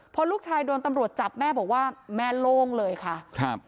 พอลูกชายโดนตำรวจจับแม่บอกว่าแม่โล่งเลยค่ะครับ